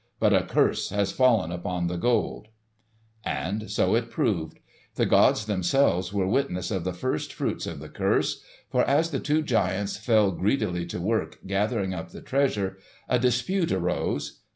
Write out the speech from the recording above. But a curse has fallen upon the Gold." And so it proved. The gods themselves were witness of the first fruits of the curse. For as the two giants fell greedily to work gathering up the treasure, a dispute arose.